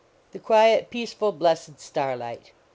The quiet, peaceful, blessed star light.